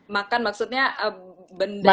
makan maksudnya benda yang dimakan